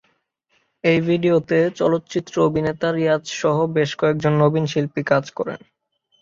এই ভিডিওতে চলচ্চিত্র অভিনেতা রিয়াজ সহ বেশ কয়েকজন নবীন শিল্পী কাজ করেন।